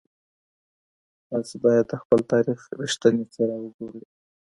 تاسو بايد د خپل تاريخ رښتينې څېره وګورئ.